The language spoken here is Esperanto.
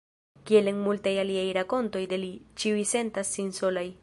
Kiel en multaj aliaj rakontoj de li, ĉiuj sentas sin solaj.